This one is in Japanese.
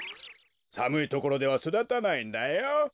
さむいところではそだたないんだよ。